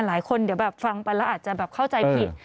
หลายคนเดี๋ยวแบบฟังไปแล้วอาจจะแบบเข้าใจผิด